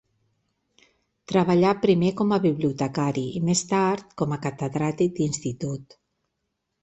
Treballà primer com a bibliotecari i més tard com a catedràtic d'institut.